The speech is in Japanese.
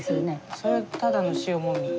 それはただの塩もみ。